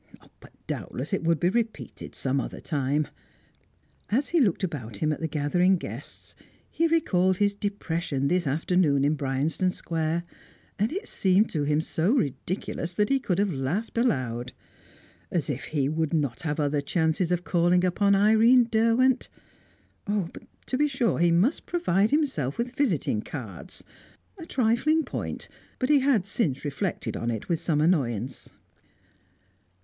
But doubtless it would be repeated some other time. As he looked about him at the gathering guests, he recalled his depression this afternoon in Bryanston Square, and it seemed to him so ridiculous that he could have laughed aloud. As if he would not have other chances of calling upon Irene Derwent! Ah, but, to be sure, he must provide himself with visiting cards. A trifling point, but he had since reflected on it with some annoyance.